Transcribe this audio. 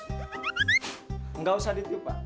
eh nggak usah ditiup pak